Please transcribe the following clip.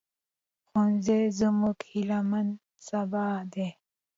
ښوونځی زموږ هيلهمن سبا دی